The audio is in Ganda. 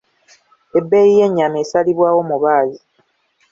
Ebbeeyi y'ennyama esalibwawo mubaazi.